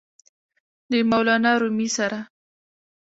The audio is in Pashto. د مولانا رومي سره!!!